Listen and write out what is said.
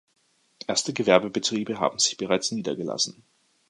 Erste Gewerbebetriebe haben sich bereits niedergelassen.